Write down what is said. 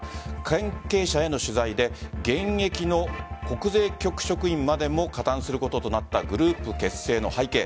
関係者への取材で現役の国税局職員までも加担することとなったグループ結成の背景。